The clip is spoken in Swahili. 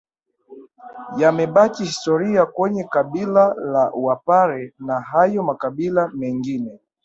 Yamebaki historia kwenye kabila la wapare na hayo makabila mengine